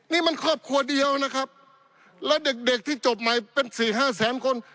นี่มันครอบครัวเดียวนะครับแล้วเด็กเด็กที่จบใหม่เป็นสี่ห้าแสนคน